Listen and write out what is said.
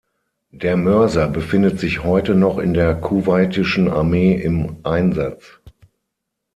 Der Mörser befindet sich heute noch in der Kuwaitischen Armee im Einsatz.